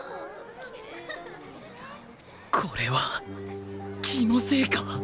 これは気のせいか？